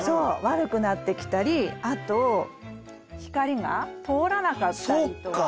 悪くなってきたりあと光が通らなかったりとか。